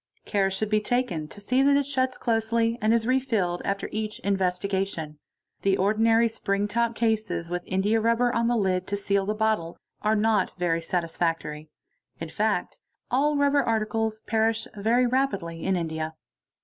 Care should be taken to see that it shuts closely and is re filled after each investiga tion. The ordinary spring top cases with indiarubber on the hd te seal the bottle are not very satisfactory. In fact all rubber articles" perish very rapidly in India.